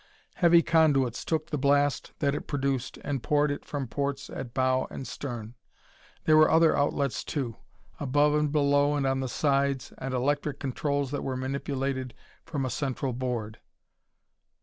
Heavy conduits took the blast that it produced and poured it from ports at bow and stern. There were other outlets, too, above and below and on the sides, and electric controls that were manipulated from a central board.